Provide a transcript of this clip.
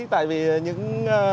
tại vì những